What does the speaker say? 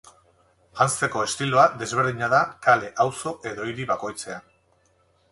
Janzteko estiloa desberdina da kale, auzo edo hiri bakoitzean.